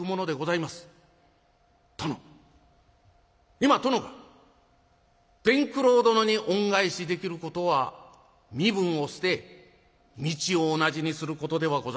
今殿が伝九郎殿に恩返しできることは身分を捨て道を同じにすることではございません。